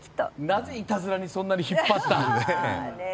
なぜ、いたずらにそんなに引っ張った。